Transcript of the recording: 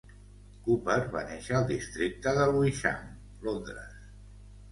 Cooper va néixer al districte de Lewisham, Londres.